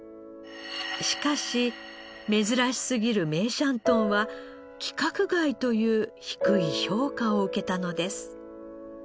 しかし珍しすぎる梅山豚は「規格外」という低い評価を受けたのです。